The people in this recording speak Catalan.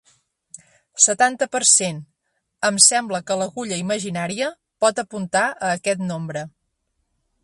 Setanta per cent Em sembla que l’agulla imaginària pot apuntar a aquest nombre.